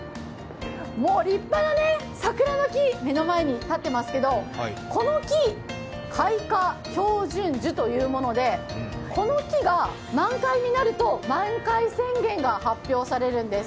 立派な桜の木、目の前にってますけれどもこの木、開花標準樹というもので、この木が満開になると満開宣言が発表されるんです。